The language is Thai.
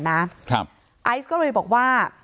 ไอซ์ก็เลยบอกว่า